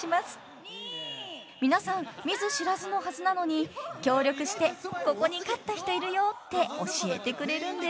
［皆さん見ず知らずのはずなのに協力して「ここに勝った人いるよ」って教えてくれるんです］